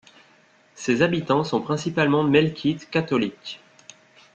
Ses habitants sont principalement Melchites catholiques.